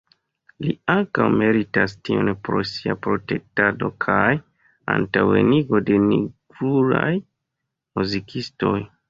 Li ankaŭ meritas tion pro sia protektado kaj antaŭenigo de nigrulaj muzikistoj.